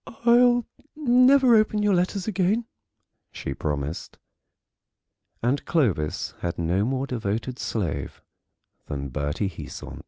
"I'll never open your letters again," she promised. And Clovis has no more devoted slave than Bertie Heasant.